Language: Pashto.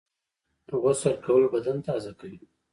غسل کول بدن تازه کوي